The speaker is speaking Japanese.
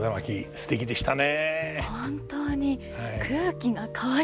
すてきでしたね。